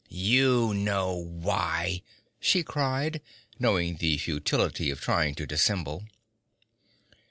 'You know why!' she cried, knowing the futility of trying to dissemble.